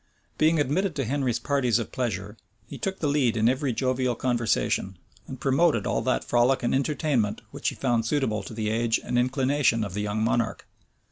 Being admitted to Henry's parties of pleasure, he took the lead in every jovial conversation, and promoted all that frolic and entertainment which he found suitable to the age and inclination of the young monarch.